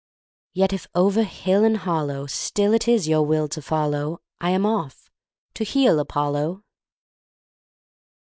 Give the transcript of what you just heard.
Yet if over hill and hollow Still it is your will to follow, I am off; to heel, Apollo!